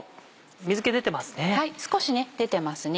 水気出てますね。